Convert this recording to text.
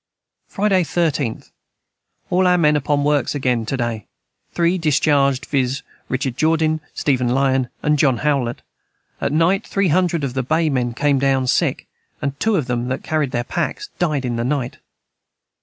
Friday 13th. All our men upon works again to day 3 dischargd vis Richard jordin, Stephen Lyon & John Howlet, at night 300 of the Bay men came down sick & 2 of them that carrad their packs died in the night.